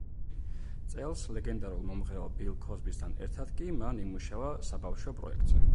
წელს ლეგენდარულ მომღერალ ბილ ქოსბისთან ერთად კი მან იმუშავა საბავშო პროექტზე.